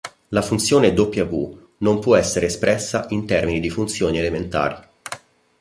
La funzione "W" non può essere espressa in termini di funzioni elementari.